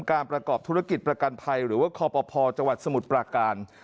การประกอบธุรกิจประกันภัยหรือว่าคอปภจังหวัดสมุทรปราการ